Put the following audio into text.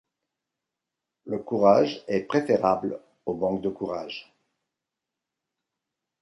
Le courage est préférable au manque de courage.